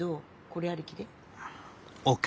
これありきで。